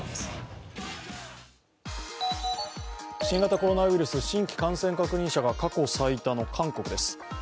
新型コロナウイルス、新規感染確認者が過去最多の韓国です。